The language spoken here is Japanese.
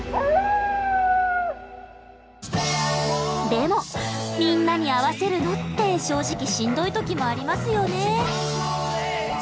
でもみんなに合わせるのって正直しんどい時もありますよね？